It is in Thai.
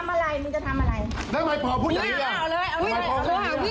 เอาเลยโทรหาพี่เลยโทรหาพี่